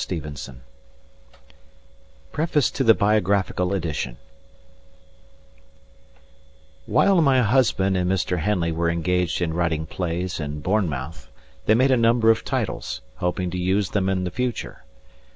STEVENSON PREFACE TO THE BIOGRAPHICAL EDITION While my husband and Mr. Henley were engaged in writing plays in Bournemouth they made a number of titles, hoping to use them in the future.